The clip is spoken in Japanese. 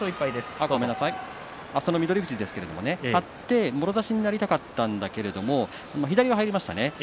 翠富士、張ってもろ差しになりたかったんだけれども左が入りましたね